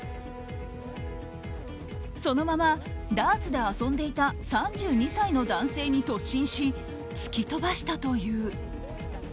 そのまま、ダーツで遊んでいた３２歳の男性に突進し突き飛ばしたという。